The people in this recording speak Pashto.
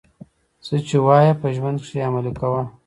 څه چي وايې په ژوند کښي ئې عملي کوه.